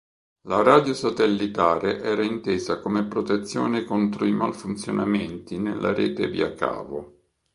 La radio satellitare era intesa come protezione contro i malfunzionamenti nella rete via cavo.